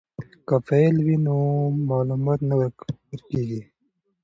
که فایل وي نو معلومات نه ورکیږي.